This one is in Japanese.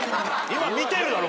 今見てるだろ！